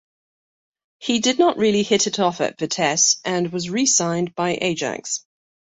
He did not really hit it off at Vitesse and was re-signed by Ajax.